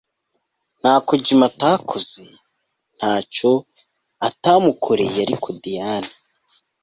Ntako Jimmy atakoze ntaco atamukoreye ariko Diane